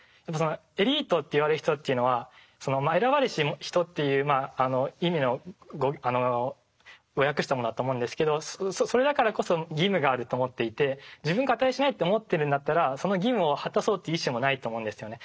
エリートって言われる人っていうのは選ばれし人という意味の訳したものだと思うんですけどそれだからこそ義務があると思っていて自分が値しないと思っているんだったらその義務を果たそうという意思もないと思うんですよね。